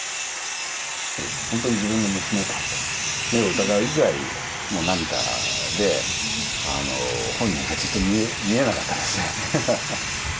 本当に自分の娘かと、目を疑うぐらい、もう涙で本人がちょっと見えなかったですよね。